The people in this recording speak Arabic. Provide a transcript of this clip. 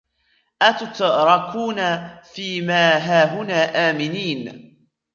أَتُتْرَكُونَ فِي مَا هَاهُنَا آمِنِينَ